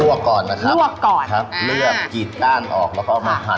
ลวกก่อนนะครับลวกก่อนครับอ่าเลือกกีดก้านออกแล้วก็มาหัน